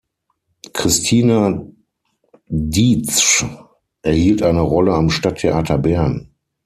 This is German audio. Christina Dietzsch erhielt eine Rolle am Stadttheater Bern.